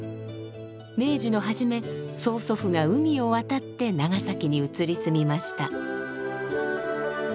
明治の初め曽祖父が海を渡って長崎に移り住みました。